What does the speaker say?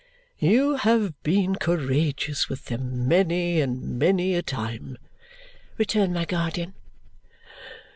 "You have been courageous with them many and many a time," returned my guardian.